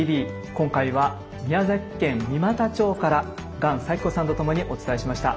今回は宮崎県三股町から鳫咲子さんとともにお伝えしました。